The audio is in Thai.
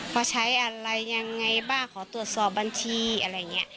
ว่าใช้อะไรยังไงบ้างขอตรวจสอบบัญชีอะไรอย่างนี้